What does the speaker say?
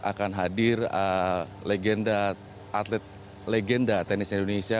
akan hadir atlet legenda tenis indonesia